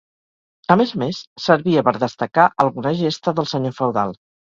A més a més, servia per destacar alguna gesta del senyor feudal.